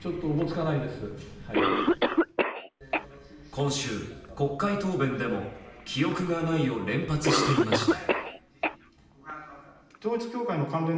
今週、国会答弁でも記憶がないを連発していました。